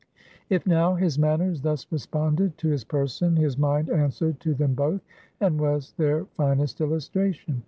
If now his manners thus responded to his person, his mind answered to them both, and was their finest illustration.